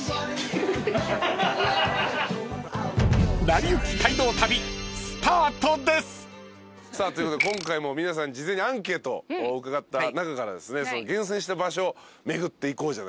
［『なりゆき街道旅』スタートです］ということで今回も皆さんに事前にアンケートを伺った中から厳選した場所巡っていこうじゃないかという。